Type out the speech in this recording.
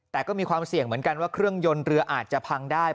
แต่ก็มีความเสี่ยงเหมือนกันว่าเครื่องยนต์เรืออาจจะพังได้